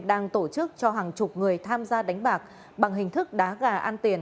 đang tổ chức cho hàng chục người tham gia đánh bạc bằng hình thức đá gà ăn tiền